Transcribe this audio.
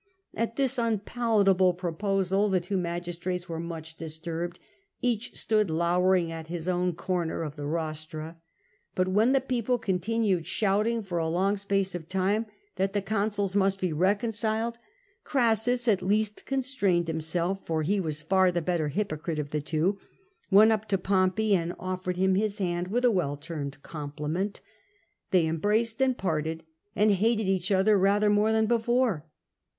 At this unpalatable pro posal, the two magistrates were much disturbed: each stood lowering at his own corner of the rostra. But when the people continued shouting for a long space of time that the consuls must be reconciled, Orassus at last con strained himself — he was far the better hypocrite of the two — went up to Pompey and offered him his hand with a well turned compliment. They embraced, parted, and hated each other rather more than before.